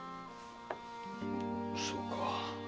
そうか。